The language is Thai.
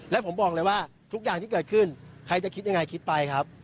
และผมบอกเลยว่าทุกอย่างที่เกิดขึ้นใครจะคิดยังไงคิดไปครับ